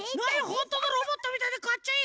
ほんとのロボットみたいでかっちょいい！